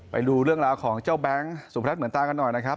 ไปดูเรื่องราวของเจ้าแบงค์สุพรัชเหมือนตากันหน่อยนะครับ